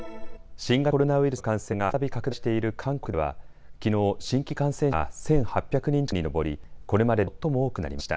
新型コロナウイルスの感染が再び拡大している韓国ではきのう新規感染者が１８００人近くに上りこれまでで最も多くなりました。